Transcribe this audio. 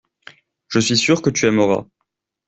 Je suis sûr que tu aimeras.